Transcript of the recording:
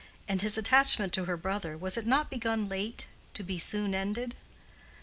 and his attachment to her brother, was it not begun late to be soon ended?